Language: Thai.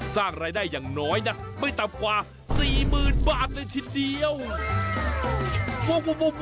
สร้างรายได้อย่างน้อยนะไม่ต่ำกว่า๔๐๐๐บาทเลยทีเดียว